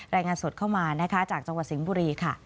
รายงานสดเข้ามานะคะจากจังหวัดสิงห์บุรีค่ะ